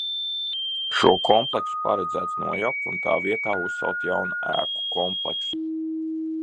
Šo kompleksu paredzēts nojaukt un tā vietā uzcelt jaunu ēku kompleksu.